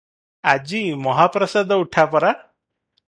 ଆଜି ମହାପ୍ରସାଦ ଉଠା ପରା ।